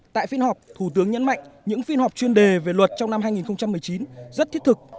tại phiên họp thủ tướng nhấn mạnh những phiên họp chuyên đề về luật trong năm hai nghìn một mươi chín rất thiết thực